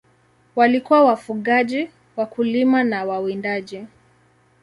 Walikuwa wafugaji, wakulima na wawindaji.